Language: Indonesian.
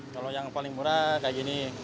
kalau yang paling murah kayak gini